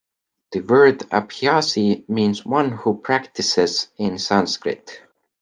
The word "Abhyasi" means "one who practises" in Sanskrit.